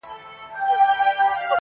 ګلان راوړه سپرلیه د مودو مودو راهیسي,